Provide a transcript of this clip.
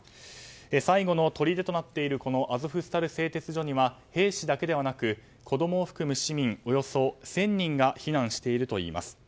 最後のとりでとなっているアゾフスタル製鉄所には兵士だけではなく子供を含む市民およそ１０００人が避難しているといいます。